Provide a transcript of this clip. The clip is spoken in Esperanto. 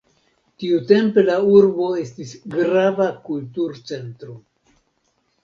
Tiutempe la urbo estis grava kulturcentro.